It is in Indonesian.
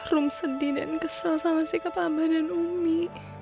rum sedih dan kesel sama sikap abah dan umi